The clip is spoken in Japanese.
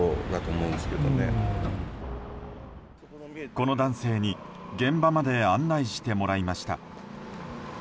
この男性に現場まで案内してもらいました。